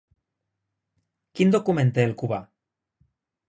Quin document té el cubà?